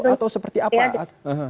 atau seperti apa